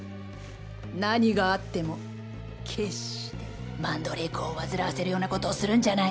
何があっても決してマンドレークを煩わせるようなことをするんじゃない。